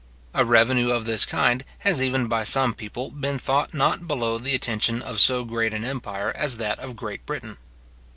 A revenue of this kind has even by some people been thought not below the attention of so great an empire as that of Great Britain.